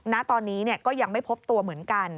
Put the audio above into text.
ณตอนนี้ก็ยังไม่พบตัวเหมือนกัน